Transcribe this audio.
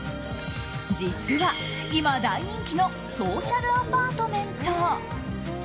実は今、大人気のソーシャルアパートメント。